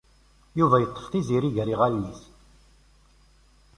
Yuba yeṭṭef Tiziri gar iɣallen-is.